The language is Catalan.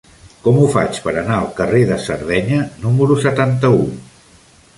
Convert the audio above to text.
Com ho faig per anar al carrer de Sardenya número setanta-u?